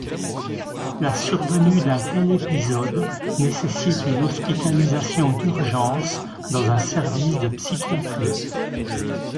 La survenue d'un tel épisode nécessite une hospitalisation d'urgence dans un service de psychiatrie.